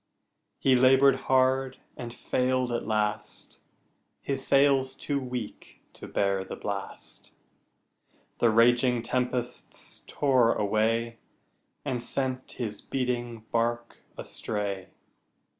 He labored hard and failed at last, His sails too weak to bear the blast, The raging tempests tore away And sent his beating bark astray.